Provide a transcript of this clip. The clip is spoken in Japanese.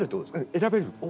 選べる。